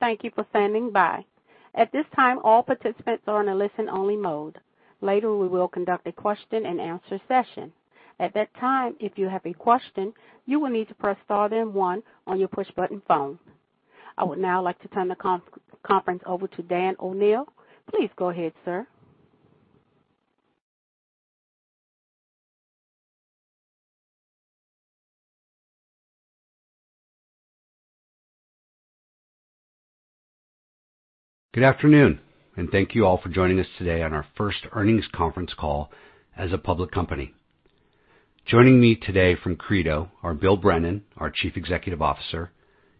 Thank you for standing by. At this time, all participants are in a listen-only mode. Later, we will conduct a question-and-answer session. At that time, if you have a question, you will need to press star then one on your push-button phone. I would now like to turn the conference over to Dan O'Neil. Please go ahead, sir. Good afternoon, and thank you all for joining us today on our first earnings conference call as a public company. Joining me today from Credo are Bill Brennan, our Chief Executive Officer,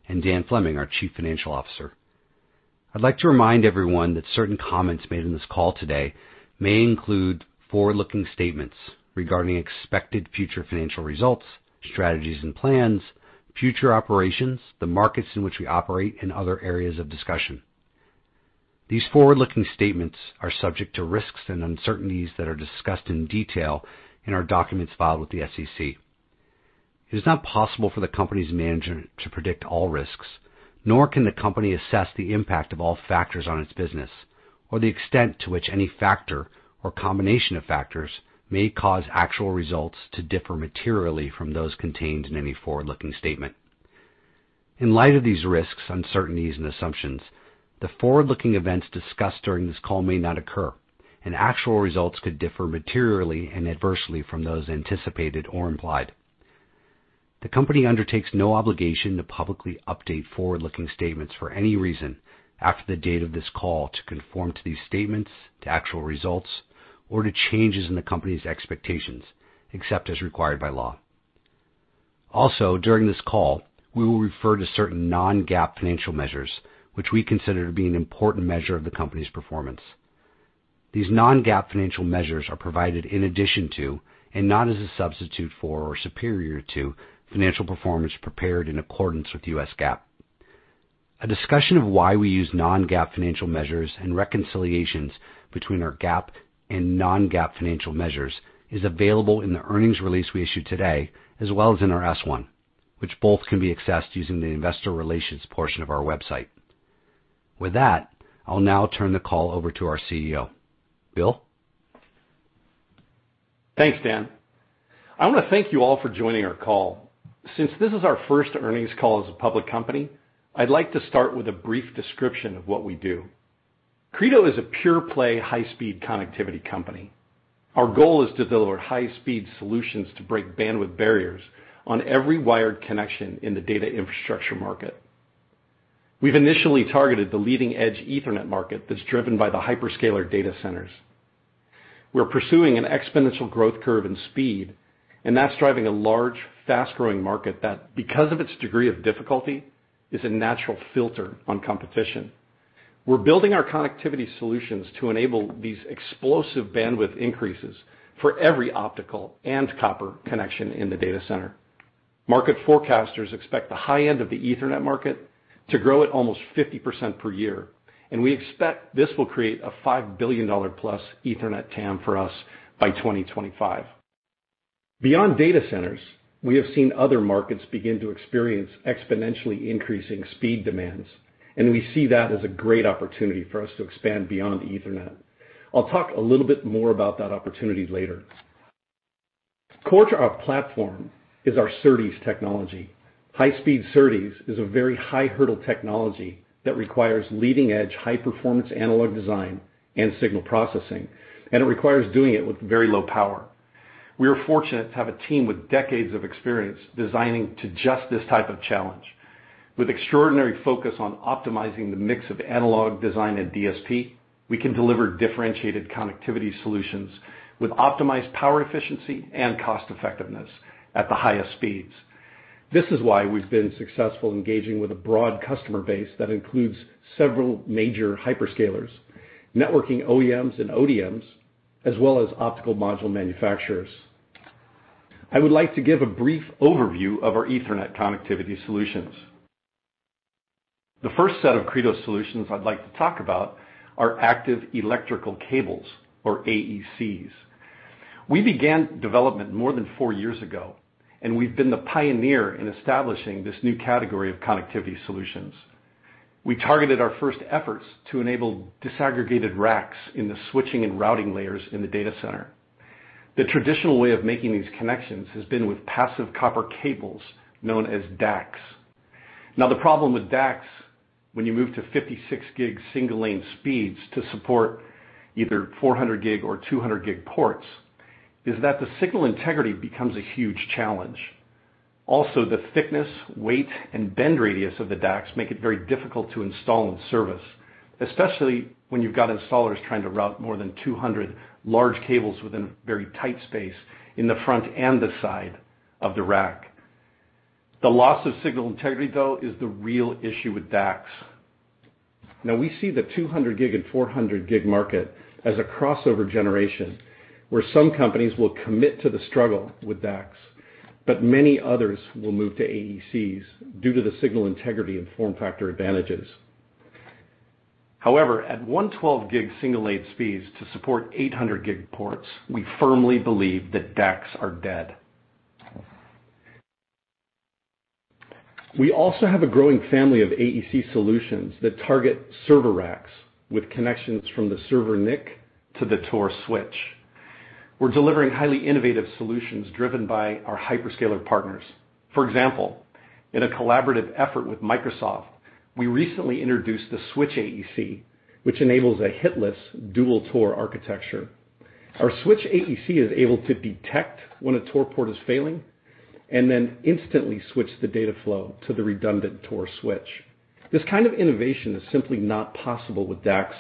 and Dan Fleming, our Chief Financial Officer. I'd like to remind everyone that certain comments made in this call today may include forward-looking statements regarding expected future financial results, strategies and plans, future operations, the markets in which we operate, and other areas of discussion. These forward-looking statements are subject to risks and uncertainties that are discussed in detail in our documents filed with the SEC. It is not possible for the company's management to predict all risks, nor can the company assess the impact of all factors on its business or the extent to which any factor or combination of factors may cause actual results to differ materially from those contained in any forward-looking statement. In light of these risks, uncertainties, and assumptions, the forward-looking events discussed during this call may not occur, and actual results could differ materially and adversely from those anticipated or implied. The company undertakes no obligation to publicly update forward-looking statements for any reason after the date of this call to conform to these statements, to actual results, or to changes in the company's expectations, except as required by law. Also, during this call, we will refer to certain non-GAAP financial measures which we consider to be an important measure of the company's performance. These non-GAAP financial measures are provided in addition to, and not as a substitute for or superior to, financial performance prepared in accordance with the U.S. GAAP. A discussion of why we use non-GAAP financial measures and reconciliations between our GAAP and non-GAAP financial measures is available in the earnings release we issued today, as well as in our S-1, which both can be accessed using the investor relations portion of our website. With that, I'll now turn the call over to our CEO. Bill? Thanks, Dan. I want to thank you all for joining our call. Since this is our first earnings call as a public company, I'd like to start with a brief description of what we do. Credo is a pure play, high-speed connectivity company. Our goal is to deliver high-speed solutions to break bandwidth barriers on every wired connection in the data infrastructure market. We've initially targeted the leading edge Ethernet market that's driven by the hyperscaler data centers. We're pursuing an exponential growth curve in speed, and that's driving a large, fast-growing market that, because of its degree of difficulty, is a natural filter on competition. We're building our connectivity solutions to enable these explosive bandwidth increases for every optical and copper connection in the data center. Market forecasters expect the high end of the Ethernet market to grow at almost 50% per year, and we expect this will create a $5 billion-plus Ethernet TAM for us by 2025. Beyond data centers, we have seen other markets begin to experience exponentially increasing speed demands, and we see that as a great opportunity for us to expand beyond Ethernet. I'll talk a little bit more about that opportunity later. Core to our platform is our SerDes technology. High-speed SerDes is a very high hurdle technology that requires leading edge high-performance analog design and signal processing, and it requires doing it with very low power. We are fortunate to have a team with decades of experience designing to just this type of challenge. With extraordinary focus on optimizing the mix of analog design and DSP, we can deliver differentiated connectivity solutions with optimized power efficiency and cost effectiveness at the highest speeds. This is why we've been successful engaging with a broad customer base that includes several major hyperscalers, networking OEMs and ODMs, as well as optical module manufacturers. I would like to give a brief overview of our Ethernet connectivity solutions. The first set of Credo solutions I'd like to talk about are Active Electrical Cables, or AECs. We began development more than four years ago, and we've been the pioneer in establishing this new category of connectivity solutions. We targeted our first efforts to enable disaggregated racks in the switching and routing layers in the data center. The traditional way of making these connections has been with passive copper cables known as DACs. Now, the problem with DACs when you move to 56 Gb single-lane speeds to support either 400 Gb or 200 Gb ports is that the signal integrity becomes a huge challenge. Also, the thickness, weight, and bend radius of the DACs make it very difficult to install and service, especially when you've got installers trying to route more than 200 large cables within a very tight space in the front and the side of the rack. The loss of signal integrity, though, is the real issue with DACs. Now we see the 200 Gb and 400 Gb market as a crossover generation where some companies will commit to the struggle with DACs, but many others will move to AECs due to the signal integrity and form factor advantages. However, at 112 Gb single-lane speeds to support 800 Gb ports, we firmly believe that DACs are dead. We also have a growing family of AEC solutions that target server racks with connections from the server NIC to the ToR switch. We're delivering highly innovative solutions driven by our hyperscaler partners. For example, in a collaborative effort with Microsoft, we recently introduced the SWITCH AEC, which enables a hitless dual ToR architecture. Our SWITCH AEC is able to detect when a ToR port is failing and then instantly switch the data flow to the redundant ToR switch. This kind of innovation is simply not possible with DACs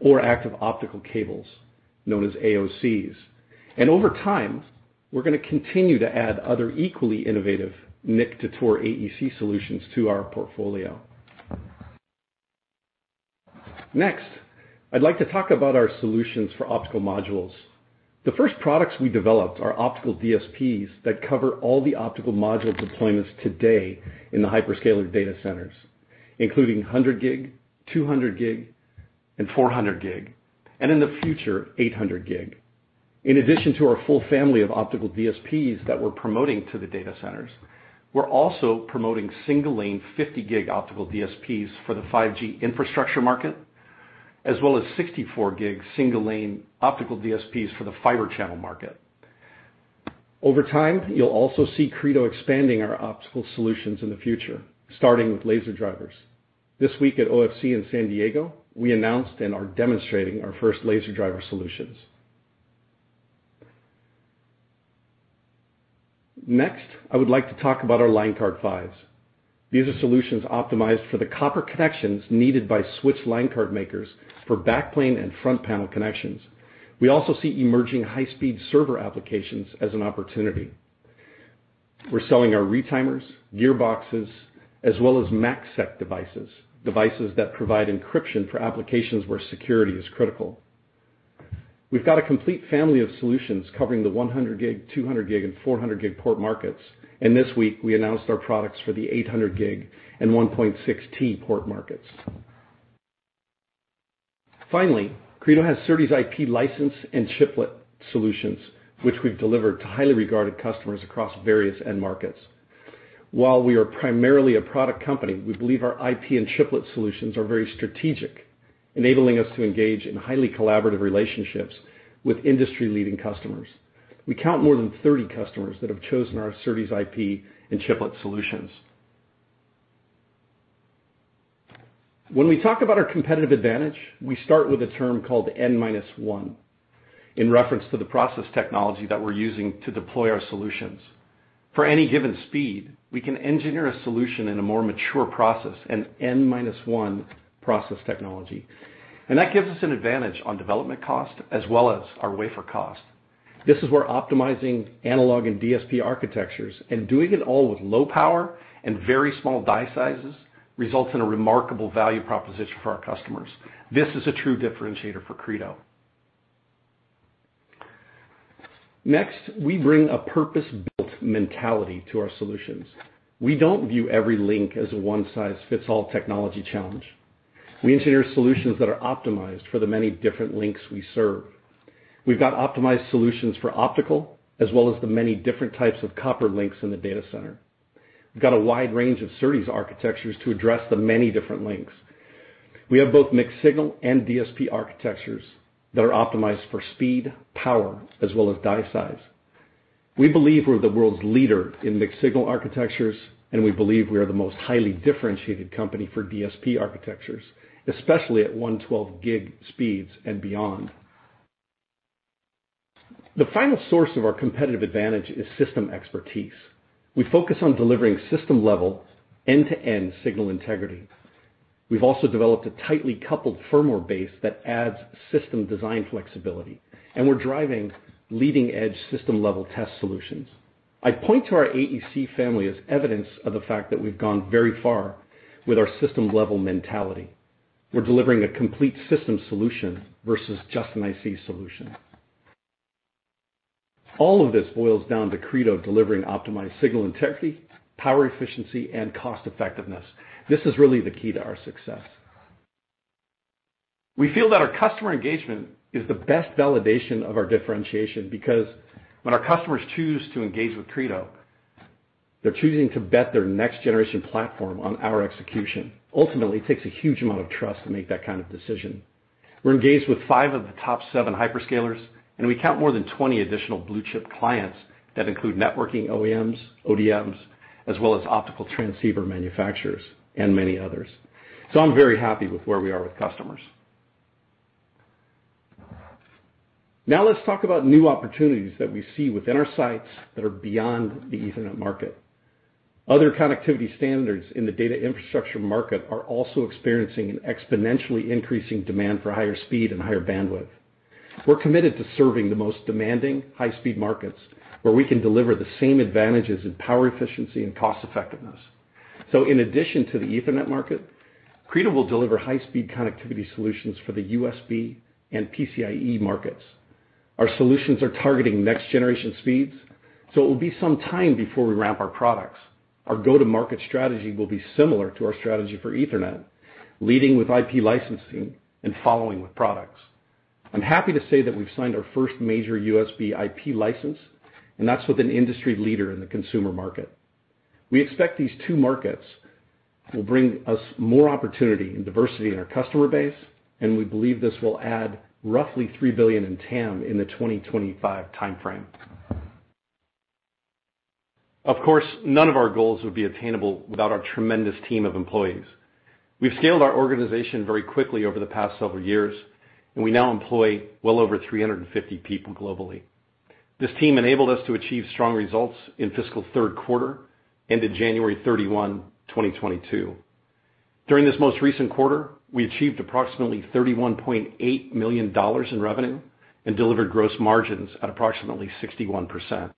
or Active Optical Cables known as AOCs. Over time, we're going to continue to add other equally innovative NIC to ToR AEC solutions to our portfolio. Next, I'd like to talk about our solutions for optical modules. The first products we developed are optical DSPs that cover all the optical module deployments today in the hyperscaler data centers, including 100 Gb, 200 Gb, and 400 Gb, and in the future, 800 Gb. In addition to our full family of optical DSPs that we're promoting to the data centers, we're also promoting single-lane 50 Gb optical DSPs for the 5G infrastructure market, as well as 64 Gb single-lane optical DSPs for the Fibre Channel market. Over time, you'll also see Credo expanding our optical solutions in the future, starting with laser drivers. This week at OFC in San Diego, we announced and are demonstrating our first laser driver solutions. Next, I would like to talk about our Line Card PHYs. These are solutions optimized for the copper connections needed by switch Line Card makers for backplane and front panel connections. We also see emerging high-speed server applications as an opportunity. We're selling our retimers, gearboxes, as well as MACsec devices that provide encryption for applications where security is critical. We've got a complete family of solutions covering the 100 Gb, 200 Gb, and 400 Gb port markets, and this week we announced our products for the 800 Gb and 1.6T port markets. Finally, Credo has SerDes IP license and chiplet solutions, which we've delivered to highly regarded customers across various end markets. While we are primarily a product company, we believe our IP and chiplet solutions are very strategic, enabling us to engage in highly collaborative relationships with industry-leading customers. We count more than 30 customers that have chosen our SerDes IP and chiplet solutions. When we talk about our competitive advantage, we start with a term called n-1 in reference to the process technology that we're using to deploy our solutions. For any given speed, we can engineer a solution in a more mature process, an n-1 process technology, and that gives us an advantage on development cost as well as our wafer cost. This is where optimizing analog and DSP architectures and doing it all with low power and very small die sizes results in a remarkable value proposition for our customers. This is a true differentiator for Credo. Next, we bring a purpose-built mentality to our solutions. We don't view every link as a one-size-fits-all technology challenge. We engineer solutions that are optimized for the many different links we serve. We've got optimized solutions for optical as well as the many different types of copper links in the data center. We've got a wide range of SerDes architectures to address the many different links. We have both mixed signal and DSP architectures that are optimized for speed, power, as well as die size. We believe we're the world's leader in mixed signal architectures, and we believe we are the most highly differentiated company for DSP architectures, especially at 112 Gb speeds and beyond. The final source of our competitive advantage is system expertise. We focus on delivering system-level end-to-end signal integrity. We've also developed a tightly coupled firmware base that adds system design flexibility, and we're driving leading-edge system-level test solutions. I point to our AEC family as evidence of the fact that we've gone very far with our system-level mentality. We're delivering a complete system solution versus just an IC solution. All of this boils down to Credo delivering optimized signal integrity, power efficiency, and cost effectiveness. This is really the key to our success. We feel that our customer engagement is the best validation of our differentiation because when our customers choose to engage with Credo, they're choosing to bet their next generation platform on our execution. Ultimately, it takes a huge amount of trust to make that kind of decision. We're engaged with five of the top seven hyperscalers, and we count more than 20 additional blue-chip clients that include networking OEMs, ODMs, as well as optical transceiver manufacturers and many others. I'm very happy with where we are with customers. Now let's talk about new opportunities that we see within our sights that are beyond the Ethernet market. Other connectivity standards in the data infrastructure market are also experiencing an exponentially increasing demand for higher speed and higher bandwidth. We're committed to serving the most demanding high-speed markets where we can deliver the same advantages in power efficiency and cost effectiveness. In addition to the Ethernet market, Credo will deliver high-speed connectivity solutions for the USB and PCIe markets. Our solutions are targeting next-generation speeds, so it will be some time before we ramp our products. I'm happy to say that we've signed our first major USB IP license, and that's with an industry leader in the consumer market. Our go-to-market strategy will be similar to our strategy for Ethernet, leading with IP licensing and following with products. We expect these two markets will bring us more opportunity and diversity in our customer base, and we believe this will add roughly $3 billion in TAM in the 2025 timeframe. Of course, none of our goals would be attainable without our tremendous team of employees. We've scaled our organization very quickly over the past several years, and we now employ well over 350 people globally. This team enabled us to achieve strong results in fiscal third quarter ended January 31, 2022. During this most recent quarter, we achieved approximately $31.8 million in revenue and delivered gross margins at approximately 61%.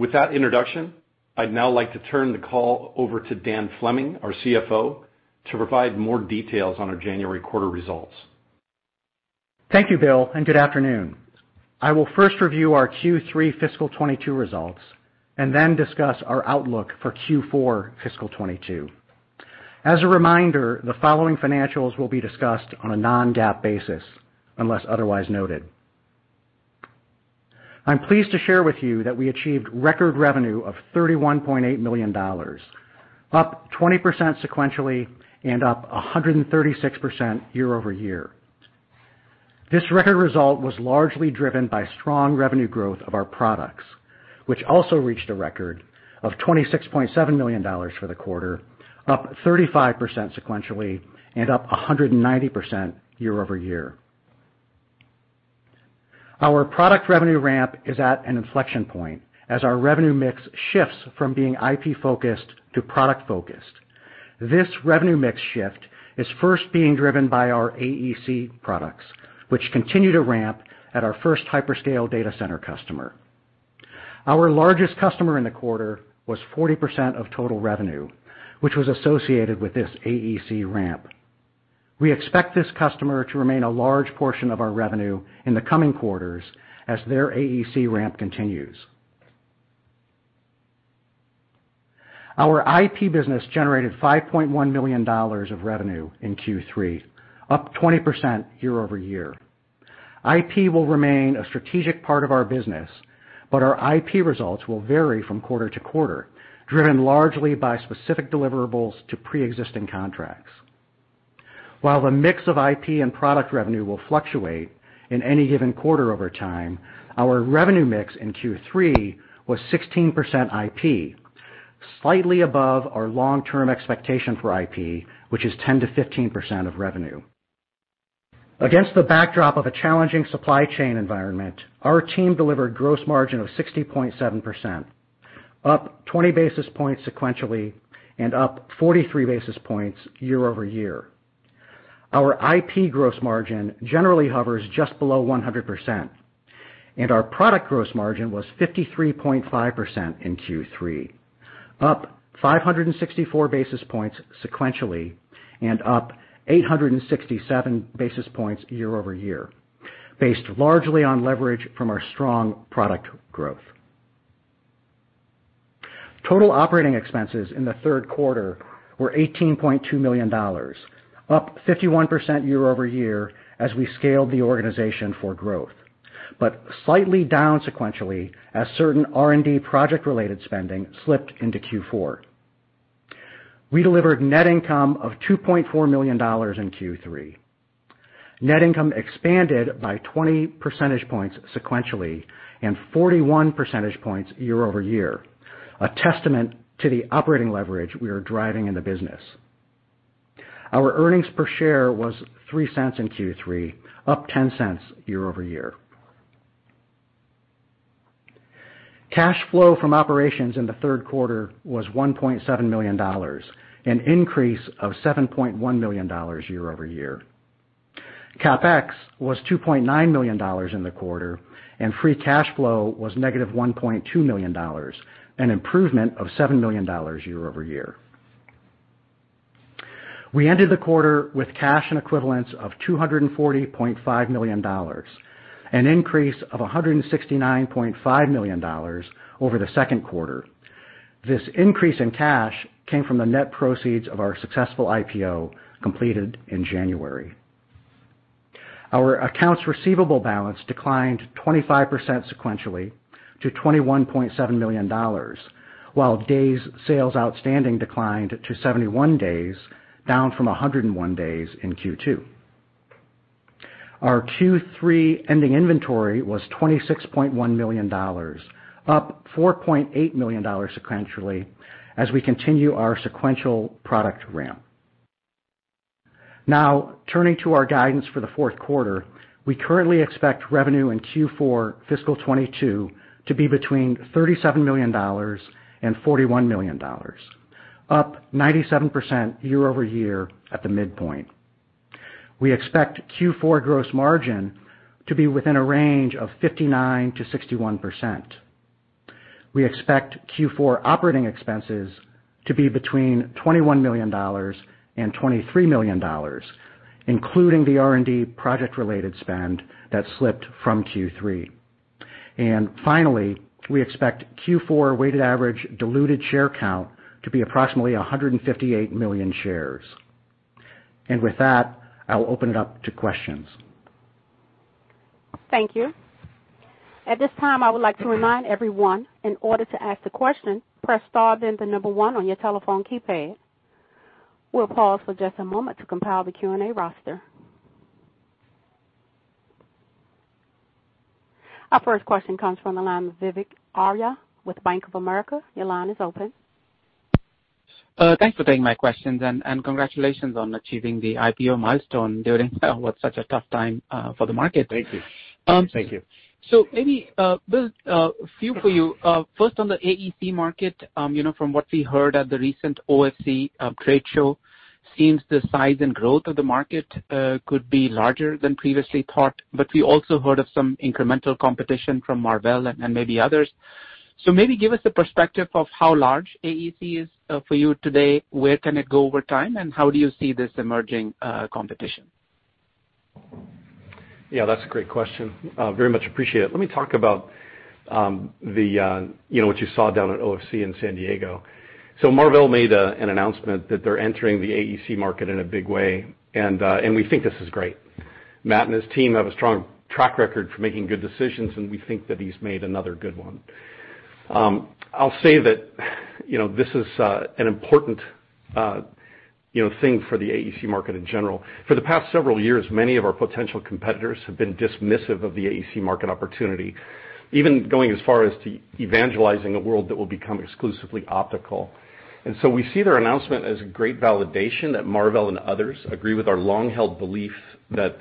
With that introduction, I'd now like to turn the call over to Dan Fleming, our CFO, to provide more details on our January quarter results. Thank you, Bill, and good afternoon. I will first review our Q3 fiscal 2022 results and then discuss our outlook for Q4 fiscal 2022. As a reminder, the following financials will be discussed on a non-GAAP basis unless otherwise noted. I'm pleased to share with you that we achieved record revenue of $31.8 million, up 20% sequentially and up 136% year-over-year. This record result was largely driven by strong revenue growth of our products, which also reached a record of $26.7 million for the quarter, up 35% sequentially, and up 190% year-over-year. Our product revenue ramp is at an inflection point as our revenue mix shifts from being IP-focused to product-focused. This revenue mix shift is first being driven by our AEC products, which continue to ramp at our first hyperscale data center customer. Our largest customer in the quarter was 40% of total revenue, which was associated with this AEC ramp. We expect this customer to remain a large portion of our revenue in the coming quarters as their AEC ramp continues. Our IP business generated $5.1 million of revenue in Q3, up 20% year-over-year. IP will remain a strategic part of our business, but our IP results will vary from quarter to quarter, driven largely by specific deliverables to pre-existing contracts. While the mix of IP and product revenue will fluctuate in any given quarter over time, our revenue mix in Q3 was 16% IP, slightly above our long-term expectation for IP, which is 10%-15% of revenue. Against the backdrop of a challenging supply chain environment, our team delivered gross margin of 60.7%, up 20 basis points sequentially and up 43 basis points year-over-year. Our IP gross margin generally hovers just below 100%, and our product gross margin was 53.5% in Q3, up 564 basis points sequentially and up 867 basis points year-over-year, based largely on leverage from our strong product growth. Total operating expenses in the third quarter were $18.2 million, up 51% year-over-year as we scaled the organization for growth, but slightly down sequentially as certain R&D project related spending slipped into Q4. We delivered net income of $2.4 million in Q3. Net income expanded by 20 percentage points sequentially and 41 percentage points year-over-year, a testament to the operating leverage we are driving in the business. Our earnings per share was $0.03 in Q3, up $0.10 year-over-year. Cash flow from operations in the third quarter was $1.7 million, an increase of $7.1 million year-over-year. CapEx was $2.9 million in the quarter, and free cash flow was -$1.2 million, an improvement of $7 million year-over-year. We ended the quarter with cash and equivalents of $240.5 million, an increase of $169.5 million over the second quarter. This increase in cash came from the net proceeds of our successful IPO completed in January. Our accounts receivable balance declined 25% sequentially to $21.7 million, while days sales outstanding declined to 71 days, down from 101 days in Q2. Our Q3 ending inventory was $26.1 million, up $4.8 million sequentially as we continue our sequential product ramp. Now, turning to our guidance for the fourth quarter, we currently expect revenue in Q4 FY 2022 to be between $37 million and $41 million, up 97% year-over-year at the midpoint. We expect Q4 gross margin to be within a range of 59%-61%. We expect Q4 operating expenses to be between $21 million and $23 million, including the R&D project related spend that slipped from Q3. Finally, we expect Q4 weighted average diluted share count to be approximately 158 million shares. With that, I'll open it up to questions. Thank you. At this time, I would like to remind everyone, in order to ask the question, press star, then the number one on your telephone keypad. We'll pause for just a moment to compile the Q&A roster. Our first question comes from the line of Vivek Arya with Bank of America. Your line is open. Thanks for taking my questions, and congratulations on achieving the IPO milestone during what's such a tough time for the market. Thank you. Thank you. Maybe, Bill, a few for you. First on the AEC market, you know, from what we heard at the recent OFC trade show, seems the size and growth of the market could be larger than previously thought. We also heard of some incremental competition from Marvell and maybe others. Maybe give us a perspective of how large AEC is for you today. Where can it go over time, and how do you see this emerging competition? Yeah, that's a great question. I very much appreciate it. Let me talk about you know what you saw down at OFC in San Diego. Marvell made an announcement that they're entering the AEC market in a big way, and we think this is great. Matt and his team have a strong track record for making good decisions, and we think that he's made another good one. I'll say that you know this is an important you know thing for the AEC market in general. For the past several years, many of our potential competitors have been dismissive of the AEC market opportunity, even going as far as to evangelizing a world that will become exclusively optical. We see their announcement as a great validation that Marvell and others agree with our long-held belief that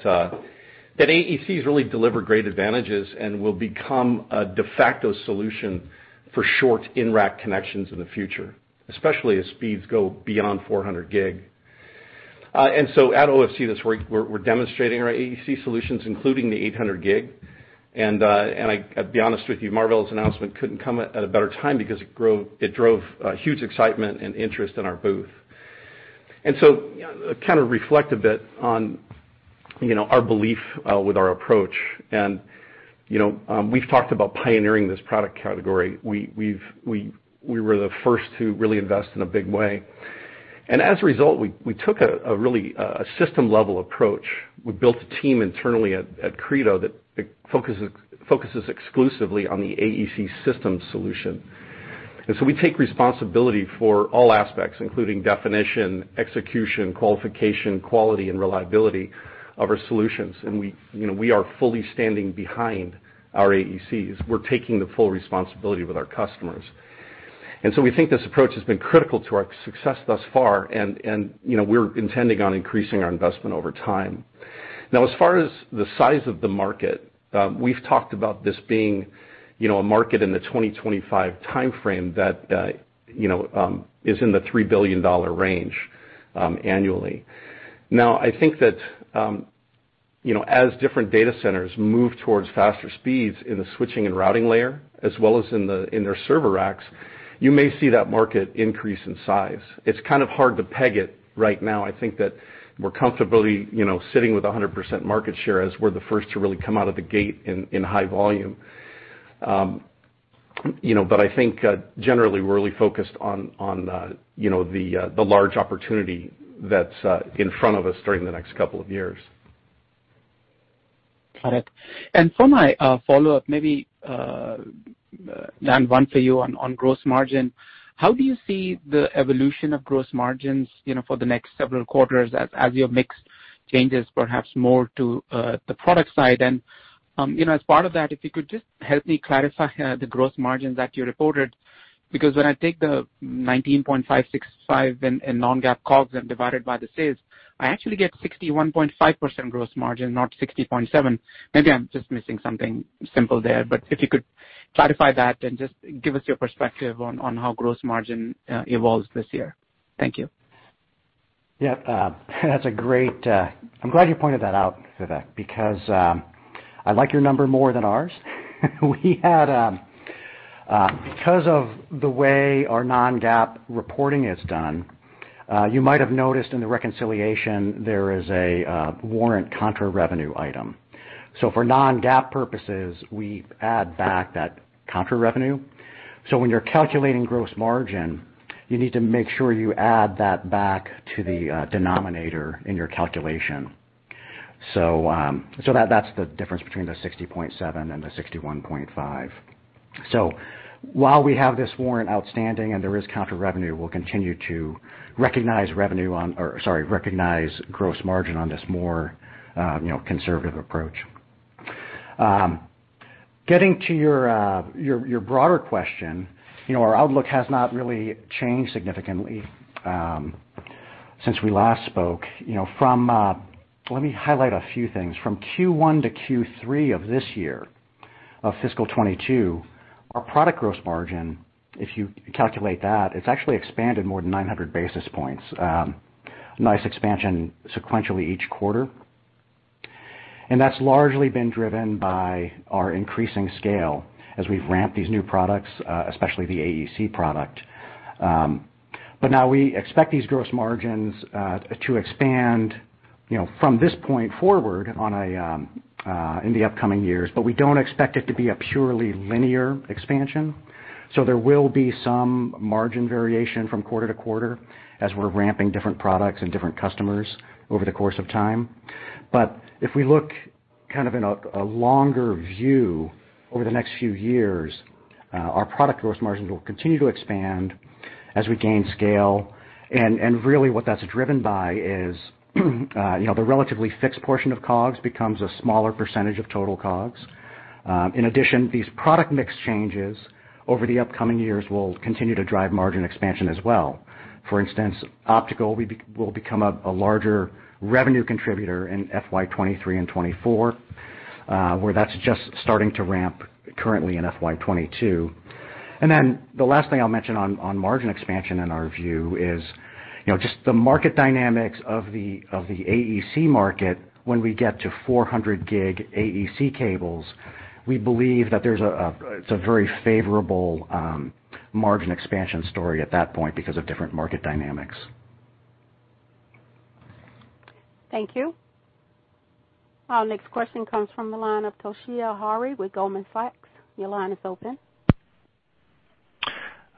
AECs really deliver great advantages and will become a de facto solution for short in-rack connections in the future, especially as speeds go beyond 400 Gb. At OFC this week, we're demonstrating our AEC solutions, including the 800 Gb. I'd be honest with you, Marvell's announcement couldn't come at a better time because it drove a huge excitement and interest in our booth. To kind of reflect a bit on, you know, our belief with our approach, and, you know, we've talked about pioneering this product category. We were the first to really invest in a big way. As a result, we took a really system-level approach. We built a team internally at Credo that focuses exclusively on the AEC system solution. We take responsibility for all aspects, including definition, execution, qualification, quality, and reliability of our solutions. We, you know, are fully standing behind our AECs. We're taking the full responsibility with our customers. We think this approach has been critical to our success thus far, you know, we're intending on increasing our investment over time. Now as far as the size of the market, we've talked about this being, you know, a market in the 2025 timeframe that, you know, is in the $3 billion range, annually. Now, I think that, you know, as different data centers move towards faster speeds in the switching and routing layer as well as in their server racks, you may see that market increase in size. It's kind of hard to peg it right now. I think that we're comfortably, you know, sitting with 100% market share as we're the first to really come out of the gate in high volume. You know, I think generally we're really focused on the large opportunity that's in front of us during the next couple of years. Got it. For my follow-up, maybe Dan, one for you on gross margin. How do you see the evolution of gross margins, you know, for the next several quarters as your mix changes perhaps more to the product side? You know, as part of that, if you could just help me clarify the gross margins that you reported, because when I take the $19.565 in non-GAAP COGS and divide it by the sales, I actually get 61.5% gross margin, not 60.7%. Maybe I'm just missing something simple there. If you could clarify that and just give us your perspective on how gross margin evolves this year. Thank you. Yeah. That's a great. I'm glad you pointed that out, Vivek, because I like your number more than ours. We had because of the way our non-GAAP reporting is done, you might have noticed in the reconciliation there is a warrant contra revenue item. So for non-GAAP purposes, we add back that contra revenue. So when you're calculating gross margin, you need to make sure you add that back to the denominator in your calculation. So that's the difference between the 60.7% and the 61.5%. So while we have this warrant outstanding and there is contra revenue, we'll continue to recognize gross margin on this more conservative approach. Getting to your broader question, you know, our outlook has not really changed significantly since we last spoke. You know. Let me highlight a few things. From Q1 to Q3 of this year, of fiscal 2022, our product gross margin, if you calculate that, it's actually expanded more than 900 basis points. Nice expansion sequentially each quarter, and that's largely been driven by our increasing scale as we've ramped these new products, especially the AEC product. Now we expect these gross margins to expand, you know, from this point forward in the upcoming years. We don't expect it to be a purely linear expansion. There will be some margin variation from quarter to quarter as we're ramping different products and different customers over the course of time. If we look in a longer view over the next few years, our product gross margins will continue to expand as we gain scale. Really what that's driven by is, you know, the relatively fixed portion of COGS becomes a smaller percentage of total COGS. In addition, these product mix changes over the upcoming years will continue to drive margin expansion as well. For instance, optical will become a larger revenue contributor in FY 2023 and 2024, where that's just starting to ramp currently in FY 2022. The last thing I'll mention on margin expansion in our view is, you know, just the market dynamics of the AEC market when we get to 400 Gb AEC cables. We believe that it's a very favorable margin expansion story at that point because of different market dynamics. Thank you. Our next question comes from the line of Toshiya Hari with Goldman Sachs. Your line is open.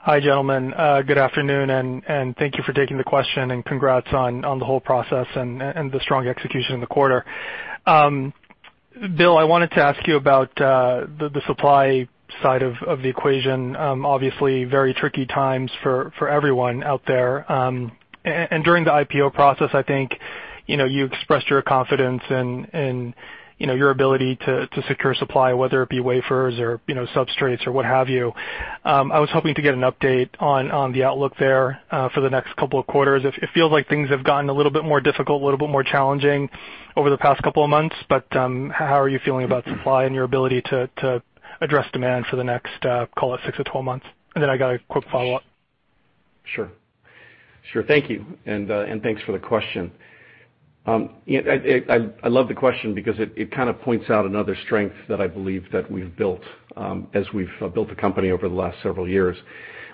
Hi, gentlemen. Good afternoon, and thank you for taking the question, and congrats on the whole process and the strong execution in the quarter. Bill, I wanted to ask you about the supply side of the equation. Obviously very tricky times for everyone out there. During the IPO process, I think, you know, you expressed your confidence in, you know, your ability to secure supply, whether it be wafers or, you know, substrates or what have you. I was hoping to get an update on the outlook there for the next couple of quarters if it feels like things have gotten a little bit more difficult, a little bit more challenging over the past couple of months. How are you feeling about supply and your ability to address demand for the next, call it 6-12 months? I got a quick follow-up. Sure. Thank you. And thanks for the question. I love the question because it kind of points out another strength that I believe that we've built as we've built the company over the last several years.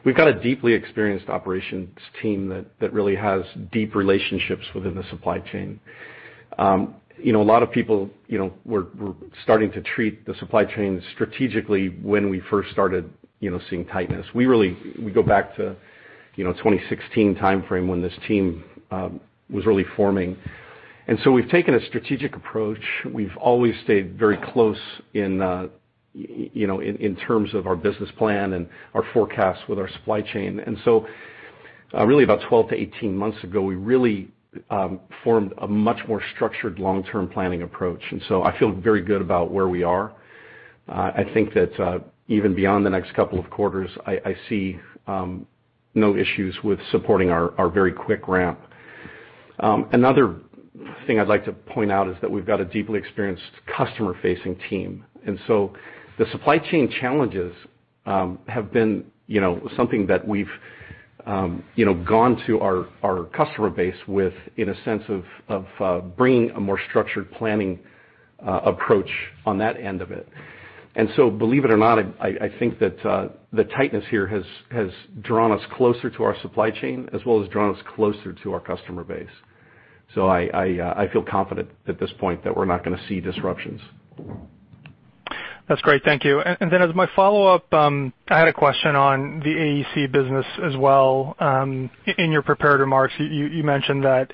We've got a deeply experienced operations team that really has deep relationships within the supply chain. You know, a lot of people, you know, were starting to treat the supply chain strategically when we first started, you know, seeing tightness. We go back to, you know, 2016 timeframe when this team was really forming. We've taken a strategic approach. We've always stayed very close in, you know, in terms of our business plan and our forecasts with our supply chain. Really about 12-18 months ago, we really formed a much more structured long-term planning approach. I feel very good about where we are. I think that even beyond the next couple of quarters, I see no issues with supporting our very quick ramp. Another thing I'd like to point out is that we've got a deeply experienced customer-facing team. The supply chain challenges have been, you know, something that we've, you know, gone to our customer base with in a sense of bringing a more structured planning approach on that end of it. Believe it or not, I think that the tightness here has drawn us closer to our supply chain as well as drawn us closer to our customer base. I feel confident at this point that we're not going to see disruptions. That's great. Thank you. As my follow-up, I had a question on the AEC business as well. In your prepared remarks, you mentioned that,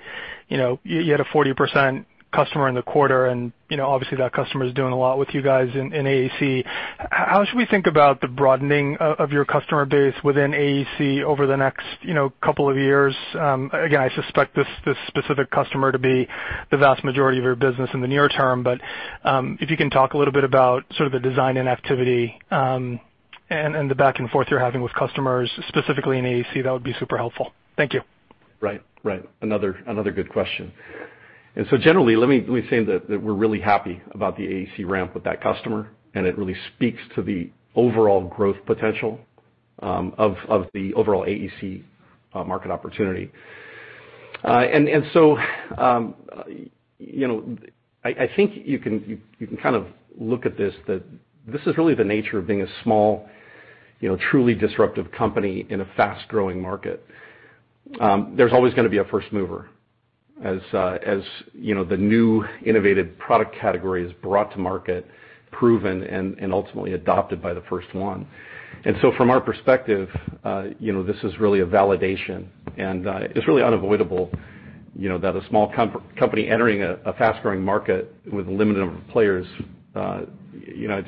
you know, you had a 40% customer in the quarter, and, you know, obviously that customer is doing a lot with you guys in AEC. How should we think about the broadening of your customer base within AEC over the next, you know, couple of years? Again, I suspect this specific customer to be the vast majority of your business in the near term. If you can talk a little bit about sort of the design and activity, and the back and forth you're having with customers specifically in AEC, that would be super helpful. Thank you. Right. Another good question. Generally, let me say that we're really happy about the AEC ramp with that customer, and it really speaks to the overall growth potential of the overall AEC market opportunity. You know, I think you can kind of look at this, that this is really the nature of being a small, you know, truly disruptive company in a fast-growing market. There's always going to be a first mover as you know, the new innovative product category is brought to market, proven, and ultimately adopted by the first one. From our perspective, you know, this is really a validation, and it's really unavoidable, you know, that a small company entering a fast-growing market with a limited number of players, you know,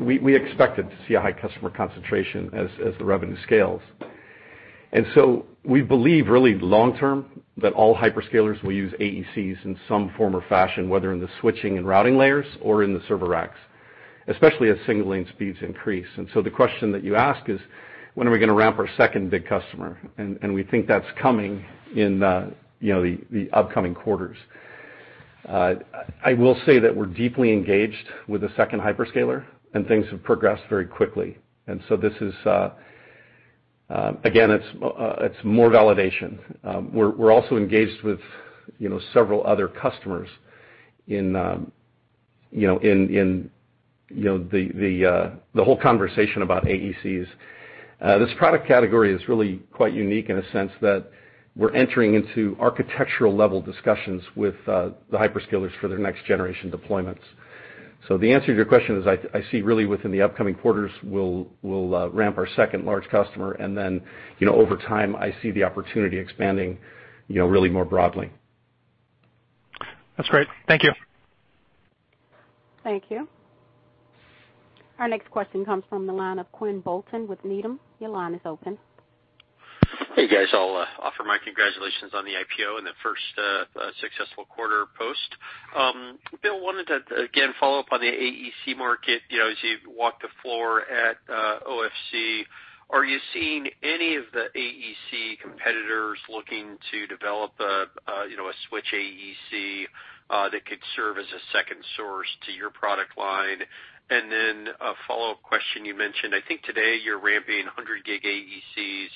we expect it to see a high customer concentration as the revenue scales. We believe really long term that all hyperscalers will use AECs in some form or fashion, whether in the switching and routing layers or in the server racks, especially as single lane speeds increase. The question that you ask is, when are we going to ramp our second big customer? We think that's coming in, you know, the upcoming quarters. I will say that we're deeply engaged with a second hyperscaler, and things have progressed very quickly. This is again it's more validation. We're also engaged with you know several other customers in you know the whole conversation about AECs. This product category is really quite unique in a sense that we're entering into architectural level discussions with the hyperscalers for their next generation deployments. The answer to your question is I see really within the upcoming quarters we'll ramp our second large customer and then you know over time I see the opportunity expanding you know really more broadly. That's great. Thank you. Thank you. Our next question comes from the line of Quinn Bolton with Needham. Your line is open. Hey, guys. I'll offer my congratulations on the IPO and the first successful quarter post. Bill, I wanted to again follow up on the AEC market. You know, as you walk the floor at OFC, are you seeing any of the AEC competitors looking to develop a SWITCH AEC that could serve as a second source to your product line? Then a follow-up question you mentioned, I think today you're ramping 100 Gb AECs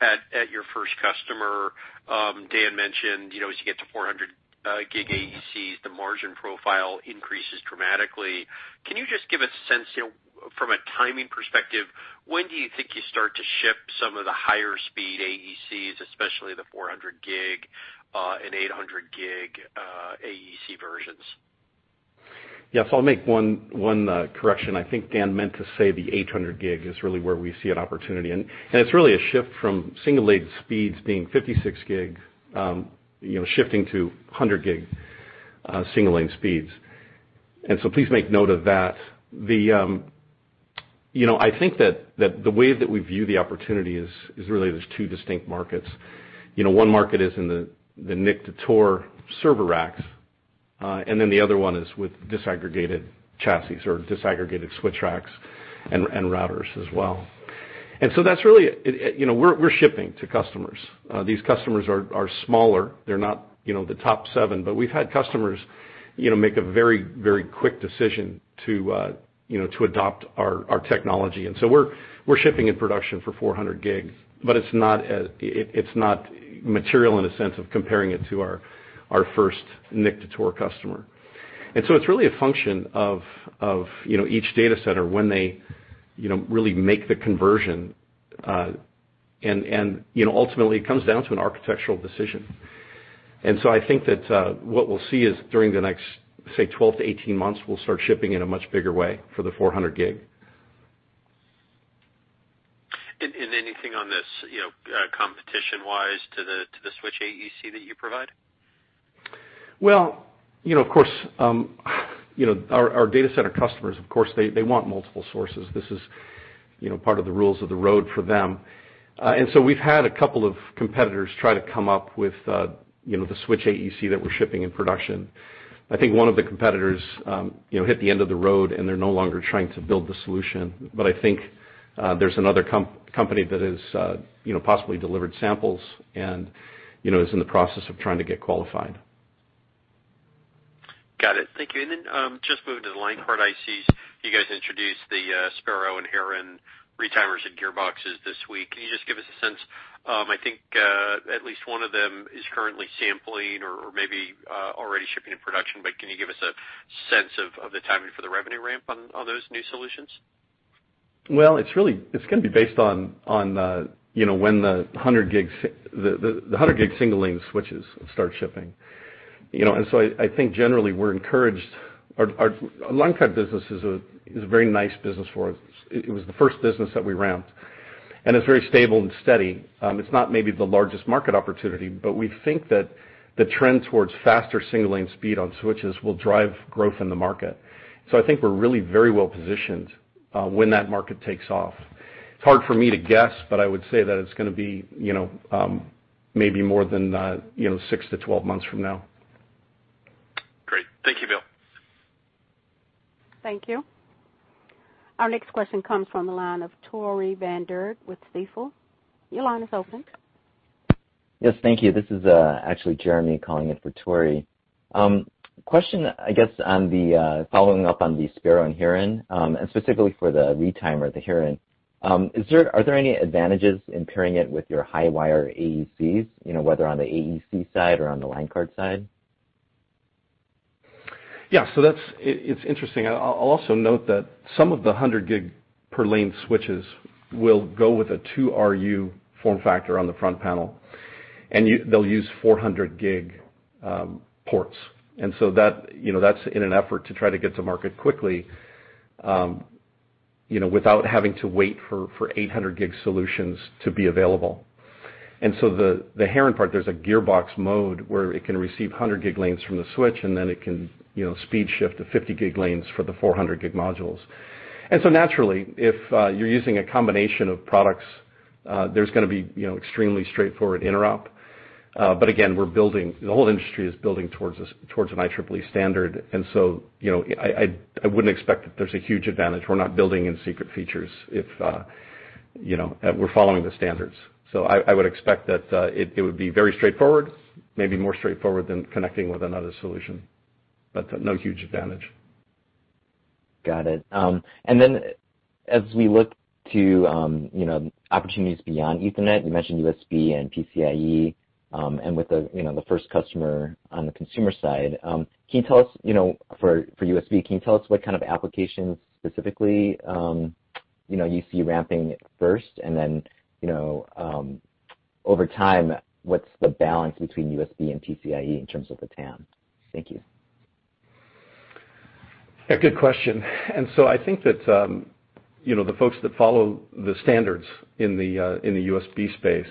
at your first customer. Dan mentioned, you know, as you get to 400 Gb AECs, the margin profile increases dramatically. Can you just give a sense, you know, from a timing perspective, when do you think you start to ship some of the higher speed AECs, especially the 400 Gb and 800 Gb AEC versions? Yes, I'll make one correction. I think Dan meant to say the 800 Gb is really where we see an opportunity. It's really a shift from single lane speeds being 56 Gb, you know, shifting to 100 Gb single-lane speeds. Please make note of that. I think the way that we view the opportunity is really there's two distinct markets. You know, one market is in the NIC to ToR server racks, and then the other one is with disaggregated chassis or disaggregated switch racks and routers as well. That's really it. You know, we're shipping to customers. These customers are smaller. They're not, you know, the top seven, but we've had customers, you know, make a very quick decision to, you know, to adopt our technology. We're shipping in production for 400 Gb. But it's not material in a sense of comparing it to our first NIC to ToR customer. It's really a function of, you know, each data center when they, you know, really make the conversion. You know, ultimately it comes down to an architectural decision. I think that what we'll see is during the next, say, 12-18 months, we'll start shipping in a much bigger way for the 400 Gb. Anything on this, you know, competition-wise to the SWITCH AEC that you provide? Well, you know, of course, our data center customers, of course, they want multiple sources. This is, you know, part of the rules of the road for them. We've had a couple of competitors try to come up with, you know, the SWITCH AEC that we're shipping in production. I think one of the competitors, you know, hit the end of the road and they're no longer trying to build the solution. I think there's another company that has, you know, possibly delivered samples and, you know, is in the process of trying to get qualified. Got it. Thank you. Just moving to the Line Card ICs, you guys introduced the Sparrow and Heron retimers and gearboxes this week. Can you just give us a sense, I think at least one of them is currently sampling or maybe already shipping in production, but can you give us a sense of the timing for the revenue ramp on those new solutions? It's going to be based on, you know, when the 100 Gb single lane switches start shipping. You know, I think generally we're encouraged. Our Line Card business is a very nice business for us. It was the first business that we ramped, and it's very stable and steady. It's not maybe the largest market opportunity, but we think that the trend towards faster single-lane speed on switches will drive growth in the market. I think we're really very well-positioned when that market takes off. It's hard for me to guess, but I would say that it's going to be, you know, maybe more than 6-12 months from now. Great. Thank you, Bill. Thank you. Our next question comes from the line of Tore Svanberg with Stifel. Your line is open. Yes, thank you. This is actually Jeremy calling in for Tore. Question, I guess, on following up on the Sparrow and Heron, and specifically for the retimer, the Heron. Are there any advantages in pairing it with your HiWire AECs, you know, whether on the AEC side or on the Line Card side? Yeah. That's interesting. I'll also note that some of the 100 Gb per lane switches will go with a 2 RU form factor on the front panel, and they'll use 400 Gb ports. That, you know, that's in an effort to try to get to market quickly, you know, without having to wait for 800 Gb solutions to be available. The Heron part, there's a gearbox mode where it can receive 100 Gb lanes from the switch, and then it can, you know, speed shift to 50 Gb lanes for the 400 Gb modules. Naturally, if you're using a combination of products, there's going to be, you know, extremely straightforward interop. But again, the whole industry is building towards this, towards an IEEE standard. You know, I wouldn't expect that there's a huge advantage. We're not building in secret features if you know, we're following the standards. I would expect that it would be very straightforward, maybe more straightforward than connecting with another solution. No huge advantage. Got it. As we look to, you know, opportunities beyond Ethernet, you mentioned USB and PCIe, and with the, you know, the first customer on the consumer side, can you tell us, you know, for USB, can you tell us what kind of applications specifically, you know, you see ramping first and then, you know, over time, what's the balance between USB and PCIe in terms of the TAM? Thank you. A good question. I think that, you know, the folks that follow the standards in the USB space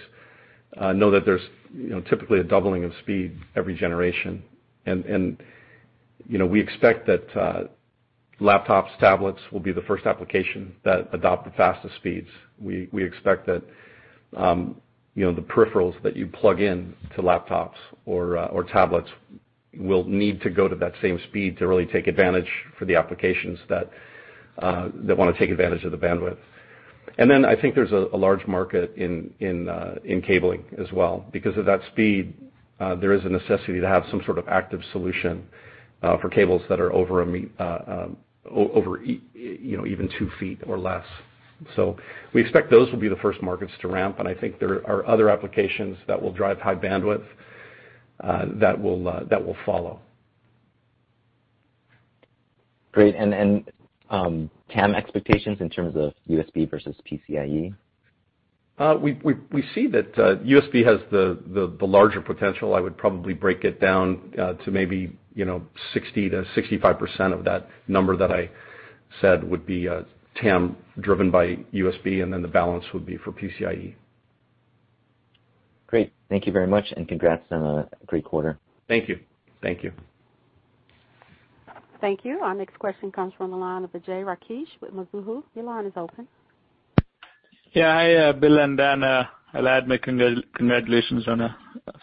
know that there's, you know, typically a doubling of speed every generation. You know, we expect that laptops, tablets will be the first application that adopt the fastest speeds. We expect that, you know, the peripherals that you plug in to laptops or tablets will need to go to that same speed to really take advantage for the applications that wanna take advantage of the bandwidth. I think there's a large market in cabling as well because of that speed. There is a necessity to have some sort of active solution for cables that are over, you know, even 2 ft or less. We expect those will be the first markets to ramp, and I think there are other applications that will drive high bandwidth that will follow. Great. TAM expectations in terms of USB versus PCIe? We see that USB has the larger potential. I would probably break it down to maybe, you know, 60%-65% of that number that I said would be TAM driven by USB, and then the balance would be for PCIe. Great. Thank you very much, and congrats on a great quarter. Thank you. Thank you. Thank you. Our next question comes from the line of Vijay Rakesh with Mizuho. Your line is open. Yeah. Hi, Bill and Dan. I'll add my congratulations on a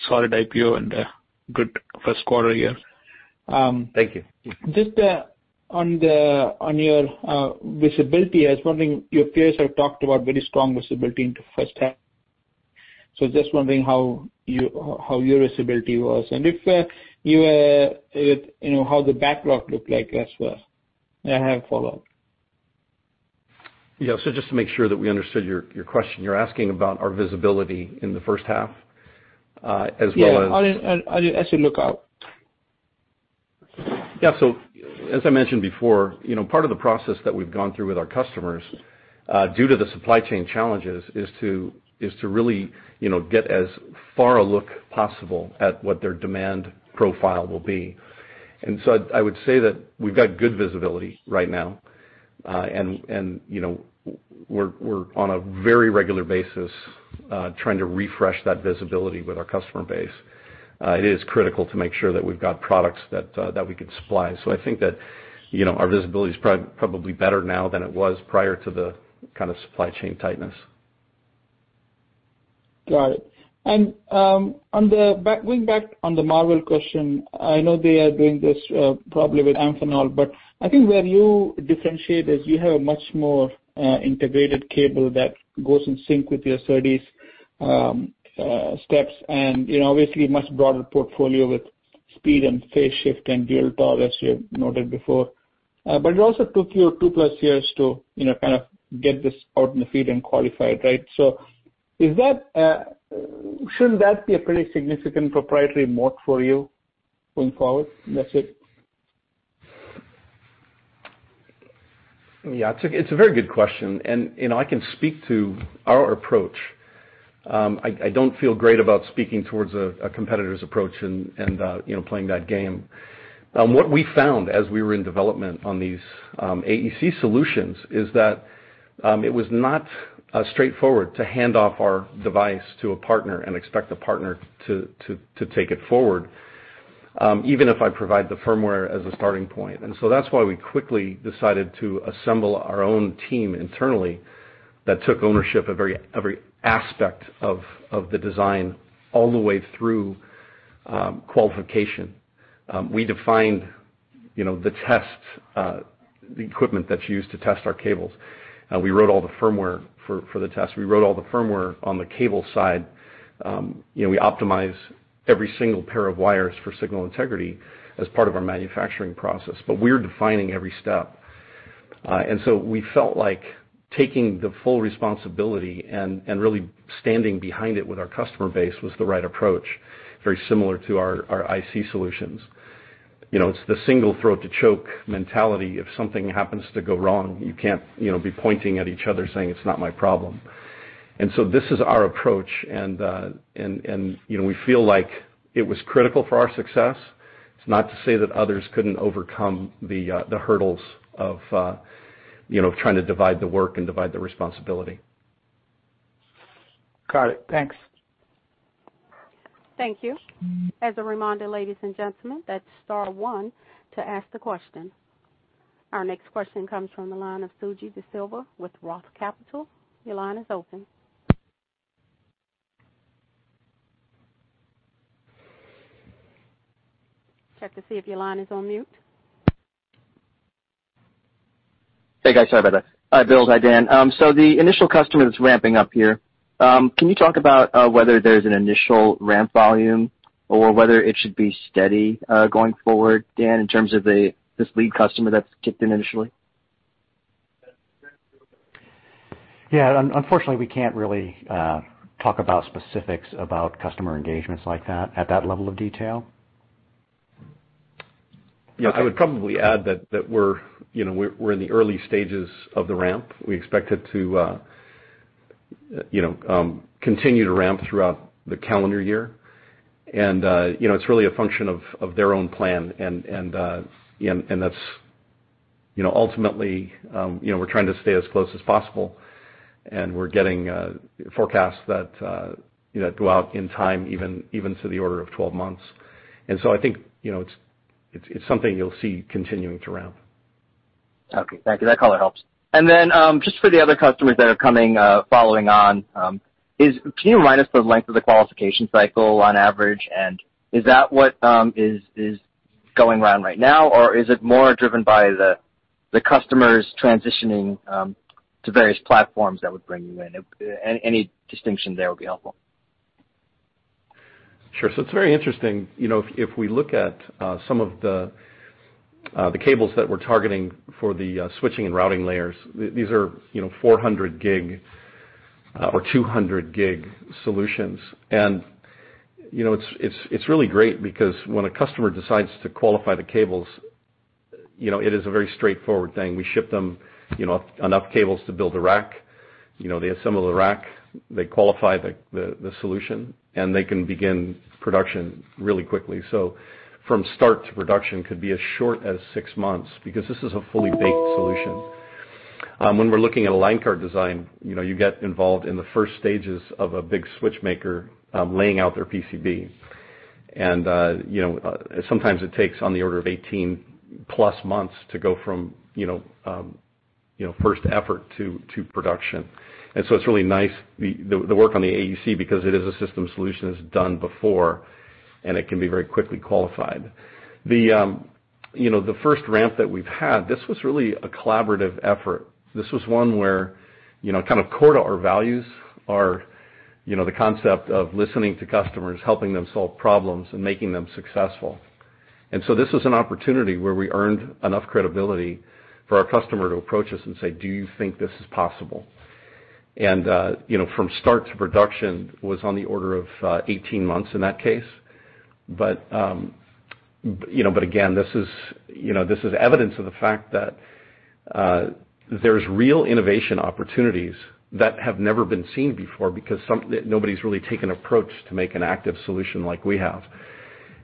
solid IPO and a good first quarter here. Thank you. Just on your visibility, I was wondering, your peers have talked about very strong visibility into first half. Just wondering how you, how your visibility was. If you know how the backlog looked like as well. I have a follow-up. Yeah. Just to make sure that we understood your question, you're asking about our visibility in the first half, as well as- Yeah. How did as you look out. As I mentioned before, you know, part of the process that we've gone through with our customers due to the supply chain challenges is to really, you know, get as far a look possible at what their demand profile will be. I would say that we've got good visibility right now. You know, we're on a very regular basis trying to refresh that visibility with our customer base. It is critical to make sure that we've got products that we can supply. I think that, you know, our visibility is probably better now than it was prior to the kind of supply chain tightness. Got it. Going back on the Marvell question, I know they are doing this, probably with Amphenol, but I think where you differentiate is you have a much more integrated cable that goes in sync with your SerDes steps and, you know, obviously a much broader portfolio with speed and phase shift and DL-TOL, as you have noted before. It also took you 2+ years to, you know, kind of get this out in the field and qualified, right? Is that, shouldn't that be a pretty significant proprietary moat for you going forward? That's it. Yeah. It's a very good question. You know, I can speak to our approach. I don't feel great about speaking towards a competitor's approach and you know, playing that game. What we found as we were in development on these AEC solutions is that it was not straightforward to hand off our device to a partner and expect the partner to take it forward, even if I provide the firmware as a starting point. That's why we quickly decided to assemble our own team internally that took ownership of every aspect of the design all the way through qualification. We defined, you know, the tests, the equipment that's used to test our cables. We wrote all the firmware for the test. We wrote all the firmware on the cable side. You know, we optimize every single pair of wires for signal integrity as part of our manufacturing process, but we're defining every step. We felt like taking the full responsibility and really standing behind it with our customer base was the right approach, very similar to our IC solutions. You know, it's the single throat to choke mentality. If something happens to go wrong, you can't, you know, be pointing at each other saying, "It's not my problem." This is our approach, and you know, we feel like it was critical for our success. It's not to say that others couldn't overcome the hurdles of you know, trying to divide the work and divide the responsibility. Got it. Thanks. Thank you. As a reminder, ladies and gentlemen, that's star one to ask the question. Our next question comes from the line of Suji Desilva with Roth Capital. Your line is open. Check to see if your line is on mute. Hey guys, sorry about that. Hi, Bill. Hi, Dan. The initial customer that's ramping up here, can you talk about whether there's an initial ramp volume or whether it should be steady going forward, Dan, in terms of this lead customer that's kicked in initially? Yeah. Unfortunately, we can't really talk about specifics about customer engagements like that at that level of detail. Yeah. I would probably add that we're, you know, we're in the early stages of the ramp. We expect it to, you know, continue to ramp throughout the calendar year. You know, it's really a function of their own plan and, you know, and that's. You know, ultimately, you know, we're trying to stay as close as possible, and we're getting forecasts that, you know, throughout in time even to the order of 12 months. I think, you know, it's something you'll see continuing to ramp. Okay. Thank you. That color helps. Just for the other customers that are coming, following on, can you remind us the length of the qualification cycle on average, and is that what is going round right now, or is it more driven by the customers transitioning to various platforms that would bring you in? Any distinction there would be helpful. Sure. It's very interesting. You know, if we look at some of the cables that we're targeting for the switching and routing layers, these are, you know, 400 Gb or 200 Gb solutions. You know, it's really great because when a customer decides to qualify the cables, you know, it is a very straightforward thing. We ship them, you know, enough cables to build a rack. You know, they assemble the rack, they qualify the solution, and they can begin production really quickly. From start to production could be as short as 6 months because this is a fully baked solution. When we're looking at a Line Card design, you know, you get involved in the first stages of a big switch maker laying out their PCB. You know, sometimes it takes on the order of 18+ months to go from you know first effort to production. It's really nice, the work on the AEC because it is a system solution that's done before, and it can be very quickly qualified. You know the first ramp that we've had, this was really a collaborative effort. This was one where you know kind of core to our values are you know the concept of listening to customers, helping them solve problems, and making them successful. This was an opportunity where we earned enough credibility for our customer to approach us and say, "Do you think this is possible?" You know from start to production was on the order of 18 months in that case. You know, but again, this is, you know, this is evidence of the fact that there's real innovation opportunities that have never been seen before because nobody's really taken approach to make an active solution like we have.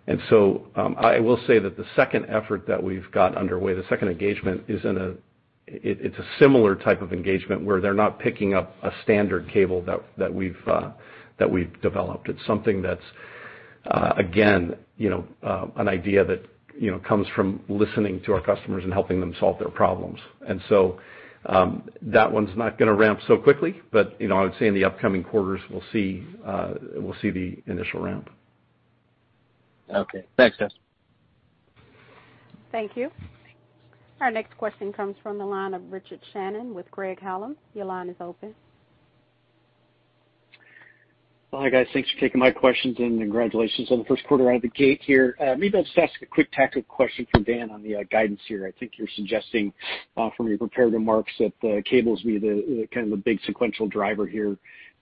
I will say that the second effort that we've got underway, the second engagement, it's a similar type of engagement where they're not picking up a standard cable that we've developed. It's something that's again, you know, an idea that you know comes from listening to our customers and helping them solve their problems. That one's not going to ramp so quickly, but you know I would say in the upcoming quarters, we'll see the initial ramp. Okay. Thanks, guys. Thank you. Our next question comes from the line of Richard Shannon with Craig-Hallum. Your line is open. Hi, guys. Thanks for taking my questions, and congratulations on the first quarter out of the gate here. Maybe I'll just ask a quick tackle question for Dan on the guidance here. I think you're suggesting from your prepared remarks that the cables be the kind of a big sequential driver here.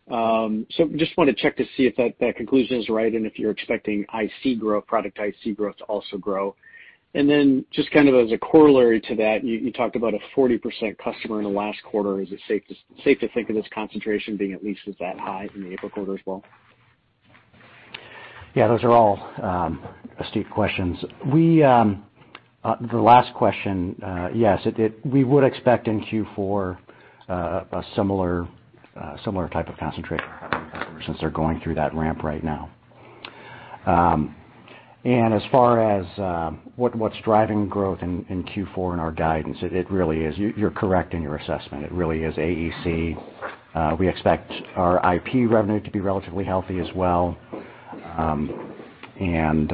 So just wanna check to see if that conclusion is right and if you're expecting IC growth, product IC growth to also grow. Then just kind of as a corollary to that, you talked about a 40% customer in the last quarter. Is it safe to think of this concentration being at least as that high in the April quarter as well? Yeah, those are all steep questions. The last question, yes, we would expect in Q4 a similar type of concentration from customers since they're going through that ramp right now. As far as what's driving growth in Q4 in our guidance, it really is. You're correct in your assessment. It really is AEC. We expect our IP revenue to be relatively healthy as well. You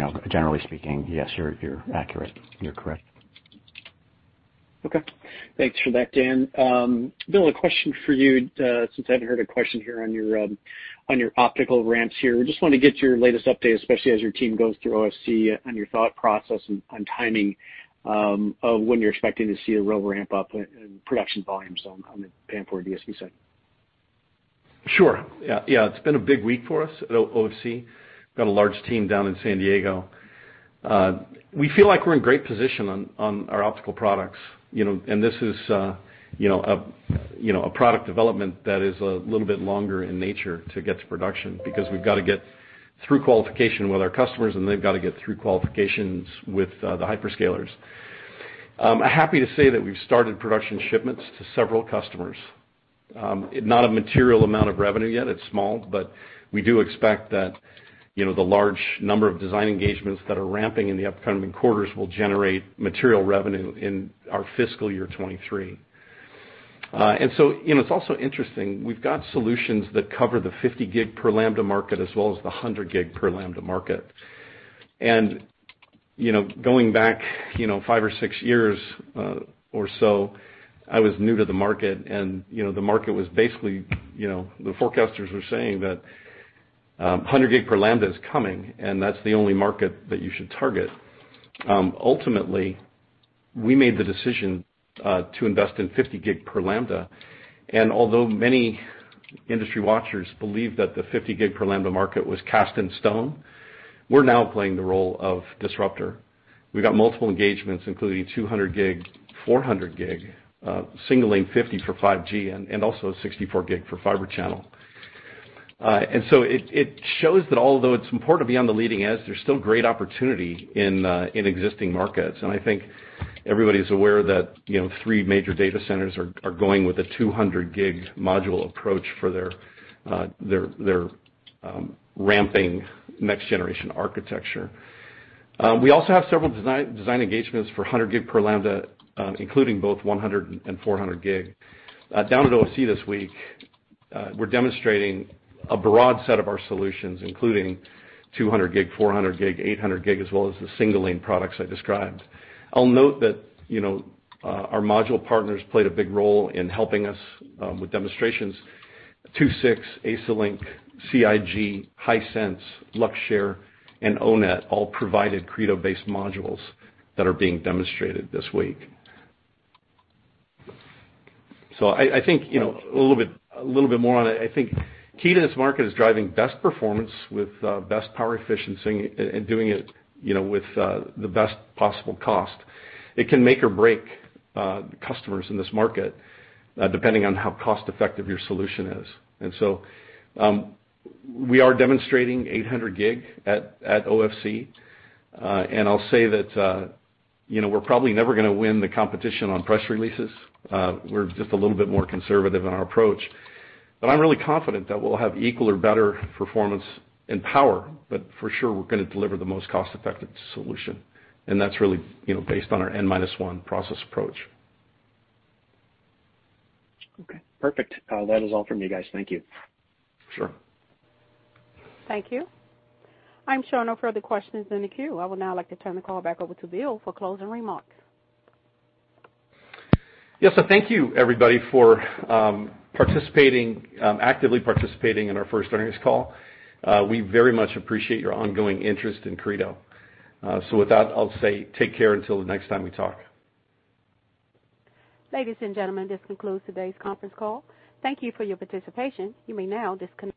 know, generally speaking, yes, you're accurate. You're correct. Okay. Thanks for that, Dan. Bill, a question for you, since I haven't heard a question here on your optical ramps here. Just wanna get your latest update, especially as your team goes through OFC on your thought process and on timing, of when you're expecting to see a real ramp up in production volumes on the optical DSP side. Sure. Yeah, it's been a big week for us at OFC. Got a large team down in San Diego. We feel like we're in great position on our optical products. You know, and this is a product development that is a little bit longer in nature to get to production because we've got to get through qualification with our customers, and they've got to get through qualifications with the hyperscalers. I'm happy to say that we've started production shipments to several customers. Not a material amount of revenue yet. It's small, but we do expect that the large number of design engagements that are ramping in the upcoming quarters will generate material revenue in our fiscal year 2023. You know, it's also interesting. We've got solutions that cover the 50 Gb per lambda market as well as the 100 Gb per lambda market. You know, going back, you know, 5 or 6 years, or so, I was new to the market and, you know, the market was basically, you know, the forecasters were saying that, 100 Gb per lambda is coming, and that's the only market that you should target. Ultimately, we made the decision to invest in 50 Gb per lambda. Although many industry watchers believe that the 50 Gb per lambda market was cast in stone, we're now playing the role of disruptor. We've got multiple engagements, including 200 Gb, 400 Gb, single lane 50 for 5G and also 64 Gb for Fibre Channel. It shows that although it's important to be on the leading edge, there's still great opportunity in existing markets. I think everybody's aware that, you know, three major data centers are going with a 200 Gb module approach for their ramping next-generation architecture. We also have several design engagements for 100 Gb per lambda, including both 100 and 400 Gb. Down at OFC this week, we're demonstrating a broad set of our solutions, including 200 Gb, 400 Gb, 800 Gb, as well as the single lane products I described. I'll note that, you know, our module partners played a big role in helping us with demonstrations. II-VI, Accelink, CIG, Hisense, Luxshare, and O-Net all provided Credo-based modules that are being demonstrated this week. I think, you know, more on it. I think key to this market is driving best performance with best power efficiency and doing it, you know, with the best possible cost. It can make or break customers in this market depending on how cost-effective your solution is. We are demonstrating 800 Gb at OFC. I'll say that, you know, we're probably never going to win the competition on press releases. We're just a little bit more conservative in our approach. I'm really confident that we'll have equal or better performance and power, but for sure we're going to deliver the most cost-effective solution. That's really, you know, based on our N-1 process approach. Okay, perfect. That is all from me, guys. Thank you. Sure. Thank you. I'm showing no further questions in the queue. I would now like to turn the call back over to Bill for closing remarks. Yes, thank you, everybody, for actively participating in our first earnings call. We very much appreciate your ongoing interest in Credo. With that, I'll say take care until the next time we talk. Ladies and gentlemen, this concludes today's conference call. Thank you for your participation. You may now disconnect.